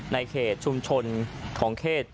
ในเขตชุมชนของเขต